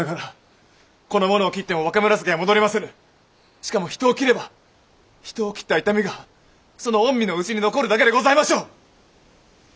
しかも人を斬れば人を斬った痛みがその御身の内に残るだけでございましょう！